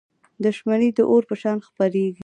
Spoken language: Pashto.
• دښمني د اور په شان خپرېږي.